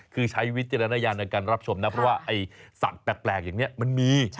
คือใช้วิจารณญาณในการรับชมนะเพราะว่าไอ้สัตว์แปลกอย่างนี้มันมี